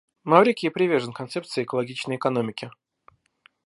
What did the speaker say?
Маврикий привержен концепции экологичной экономики.